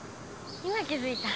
今気づいた。